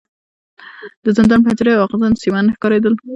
د زندان پنجرې او ازغن سیمان نه ښکارېدل.